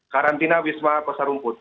karantina wisma pasar rumput